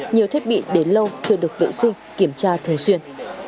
nhiều thiết bị đến lâu chưa được vệ sinh kiểm tra thường xuyên